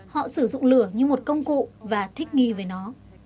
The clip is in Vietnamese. họ sử dụng lửa như một công cụ và thích nghi về nó